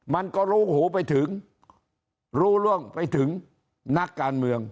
มันก็รู้หูไปถึงรู้เรื่องไปถึงนักการเมือง